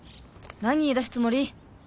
何言いだすつもり？